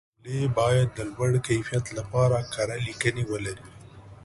جملې باید د لوړ کیفیت لپاره کره لیکنې ولري.